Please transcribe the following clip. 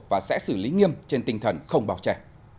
và sẽ xử lý nghiêm trên tinh thần không bảo trẻ